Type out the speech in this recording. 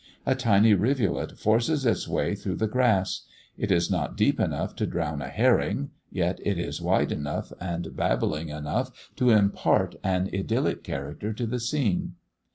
A tiny rivulet forces its way through the grass; it is not deep enough to drown a herring, yet it is wide enough and babbling enough to impart an idyllic character to the scene.